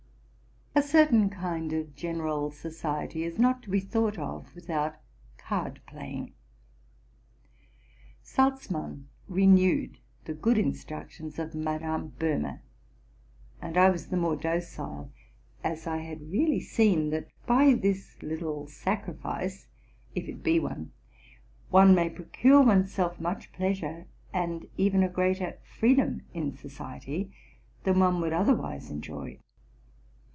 A certain kind of general society is not to be thought of without card playing. Salzmann renewed the good instruc 306 TRUTH AND FICTION tions of Madame Boéhme; and I was the more docile as I had really seen, that by this little sacrifice, if it be one, one may procure one's self much pleasure, and even a greater freedom in society than one would otherwise enjoy.